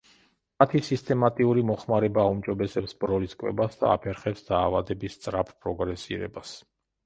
მათი სისტემატიური მოხმარება აუმჯობესებს ბროლის კვებას და აფერხებს დაავადების სწრაფ პროგრესირებას.